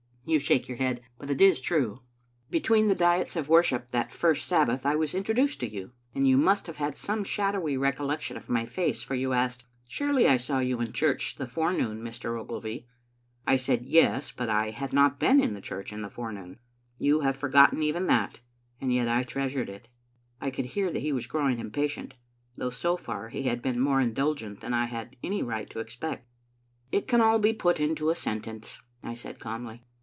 You shake your head, but it is true. Between the diets Digitized by VjOOQ IC 800 tCbe Xittle Ainlatet* of worship that first Sabbath I was introduced to you, and you must have had some shadowy recollection of my face, for you asked, 'Surely I saw you in church in the forenoon, Mr. Ogilvy?' I said *Yes,' but I had not been in the church in the forenoon. You have for gotten even that, and yet I treasured it." I could hear that he was growing impatient, though so far he had been more indulgent than I had any right to expect "It can all be put into a sentence," I said calmly.